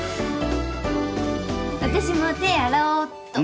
あたしも手洗おうっと。